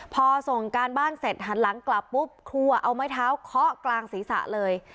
พอส่งการบ้านเสร็จหันหลังกลับปุ๊บครัวเอาไม้เท้าเคาะกลางศีรษะเลย